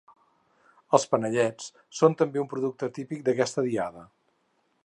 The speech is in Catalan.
Els panellets són també un producte típic d’aquesta diada.